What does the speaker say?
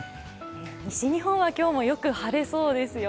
西日本は今日もよく晴れそうですよ。